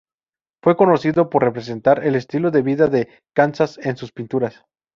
Fue conocido por representar el estilo de vida de Kansas en sus pinturas.